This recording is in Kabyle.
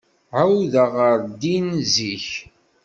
Uwḍeɣ ɣer din zik.